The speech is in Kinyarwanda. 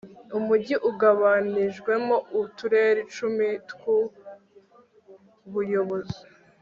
umujyi ugabanijwemo uturere icumi twubuyobozi